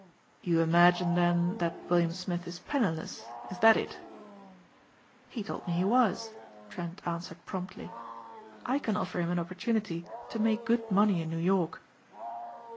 "You imagine, then, that William Smith is penniless, is that it?" "He told me he was," Trent answered promptly. "I can offer him an opportunity to make good money in New York."